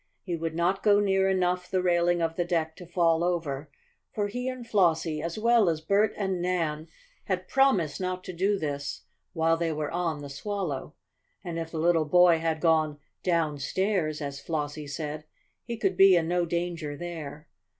He would not go near enough the railing of the deck to fall over, for he and Flossie, as well as Bert and Nan, had promised not to do this while they were on the Swallow. And if the little boy had gone "downstairs," as Flossie said, he could be in no danger there.